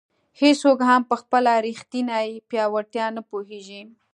هیڅوک هم په خپله ریښتیني پیاوړتیا نه پوهېږي.